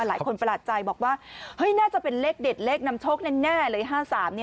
หลายคนประหลาดใจบอกว่าน่าจะเป็นเลขเด็ดเล็กนำโชคแน่หรือ๕๓